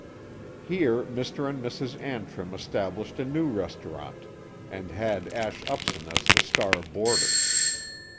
Here Mr. and Mrs. Antrim established a new restaurant, and had Ash Upson as the star boarder.